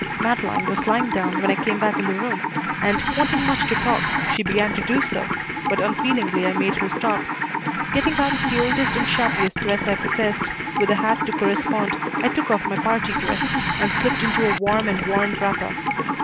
Madeleine was lying down when I came back in the room, and, wanting much to talk, she began to do so, but unfeelingly I made her stop. Getting out the oldest and shabbiest dress I possessed, with a hat to correspond, I took off my party dress and slipped into a warm and worn wrapper.